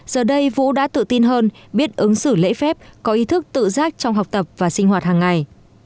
giờ đây vũ đã tự tin hơn biết ứng xử lễ phép có ý thức tự giác trong học tập và sinh hoạt hàng ngày